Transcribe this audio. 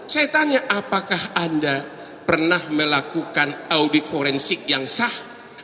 saya tanya apakah anda pernah melakukan audit forensik yang sah